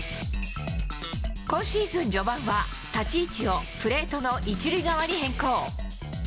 今シーズン序盤は、立ち位置をプレートの１塁側に変更。